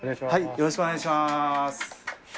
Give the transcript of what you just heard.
よろしくお願いします。